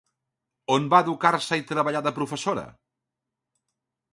On va educar-se i treballar de professora?